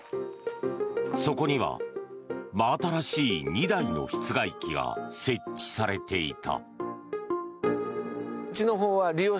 そこには真新しい２台の室外機が設置されていた。